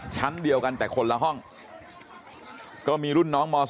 ชั้นเดียวกันแต่คนละห้องก็มีรุ่นน้องม๒